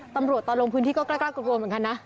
ตำรวจต่อลงพื้นที่ก็กล้ากล้ากลัวเหมือนกันนะ